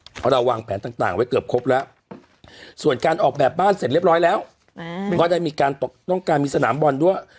เพราะเราวางแผนต่างไว้เกือบครบแล้วส่วนการออกแบบบ้านเสร็จเรียบร้อยแล้วก็ได้มีการต้องการมีสนามบอลด้วย